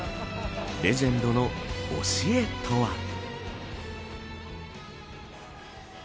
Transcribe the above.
レジェンドの教えとは。